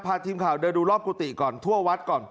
พาทีมข่าวเดินดูรอบกุฏิก่อนทั่ววัดก่อน